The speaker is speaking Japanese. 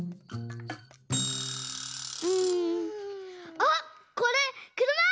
あっこれくるま！